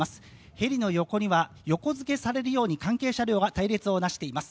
ヘリの横には横付けされるように関係車両が隊列を成しています。